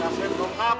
neng kasih dongkap